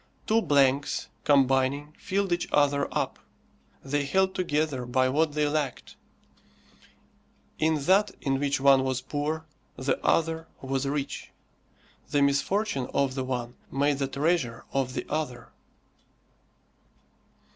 Two blanks, combining, filled each other up. They held together by what they lacked: in that in which one was poor, the other was rich. The misfortune of the one made the treasure of the other.